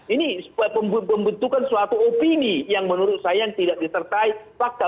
ini pembentukan suatu opini yang menurut saya tidak disertai fakta